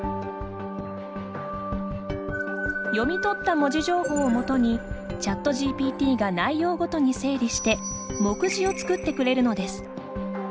読み取った文字情報をもとにＣｈａｔＧＰＴが内容ごとに整理して目次を作ってくれるのです。